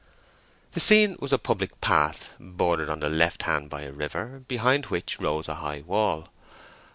The scene was a public path, bordered on the left hand by a river, behind which rose a high wall.